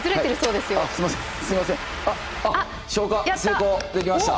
できました。